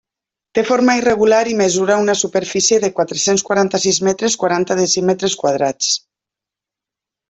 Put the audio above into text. Té forma irregular i mesura una superfície de quatre-cents quaranta-sis metres, quaranta decímetres quadrats.